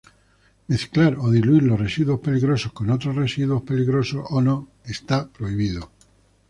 Mezclar o diluir los residuos peligrosos con otros residuos peligrosos o no, está prohibido.